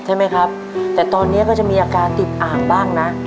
ใช่ไหมครับแต่ตอนนี้ก็จะมีอาการติดอ่างบ้างนะ